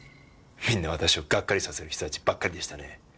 みんな私をがっかりさせる人たちばっかりでしたね。